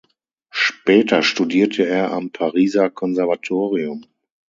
Später studierte er am Pariser Konservatorium.